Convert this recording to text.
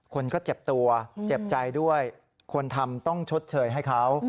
คนก็เจ็บตัวเจ็บใจด้วยคนทำต้องชดเชยให้เขา